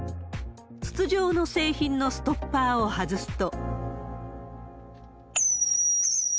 筒状の製品のストッパーを外すと。